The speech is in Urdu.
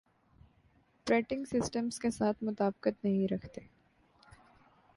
پریٹنگ سسٹمز کے ساتھ مطابقت نہیں رکھتے